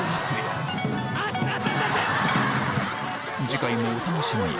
次回もお楽しみに！